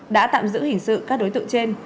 đã tạm giữ hình sự các đối tượng trên